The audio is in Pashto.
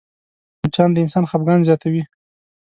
مچان د انسان خفګان زیاتوي